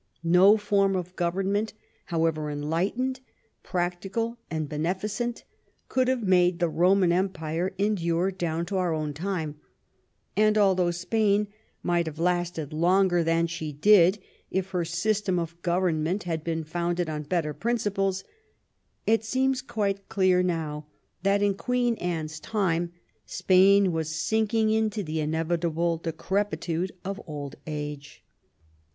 No form of gov ernment, however enlightened, practical, and beneficent, could have made the Roman empire endure down to our own time, and although Spain might have lasted longer than she did if her system of government had been founded on better principles, it seems quite clear now that in Queen Anne's time Spain was sinking into the inevitable decrepitude of old age.